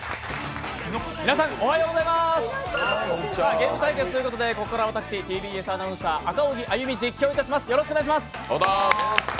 ゲーム対決ということでここから私、ＴＢＳアナウンサー・赤荻歩、実況いたします。